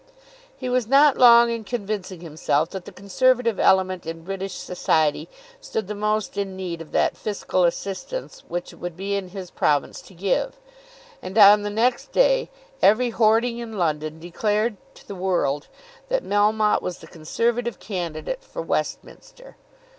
He was not long in convincing himself that the Conservative element in British Society stood the most in need of that fiscal assistance which it would be in his province to give; and on the next day every hoarding in London declared to the world that Melmotte was the Conservative candidate for Westminster.